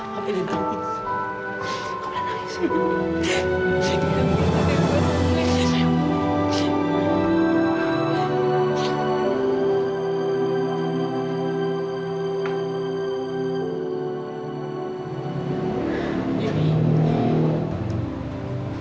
saya juga ingin berjumpa denganmu